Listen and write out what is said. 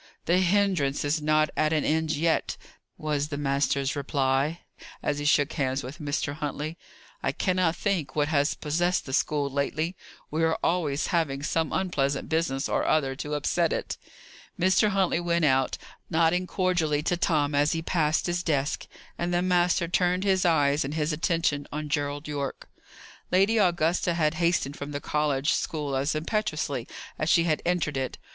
"The hindrance is not at an end yet," was the master's reply, as he shook hands with Mr. Huntley. "I cannot think what has possessed the school lately: we are always having some unpleasant business or other to upset it." Mr. Huntley went out, nodding cordially to Tom as he passed his desk; and the master turned his eyes and his attention on Gerald Yorke. Lady Augusta had hastened from the college school as impetuously as she had entered it.